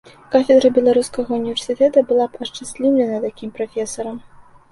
Кафедра беларускага ўніверсітэта была б ашчасліўлена такім прафесарам.